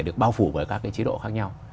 được bao phủ bởi các cái chế độ khác nhau